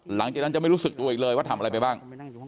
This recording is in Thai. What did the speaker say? หลังจากนั้นจะไม่รู้สึกตัวอีกเลยว่าทำอะไรไปบ้าง